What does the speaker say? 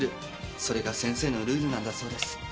それが先生のルールなんだそうです。